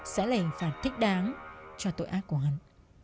sẽ là hình phạt thích đáng cho tội ác của hắn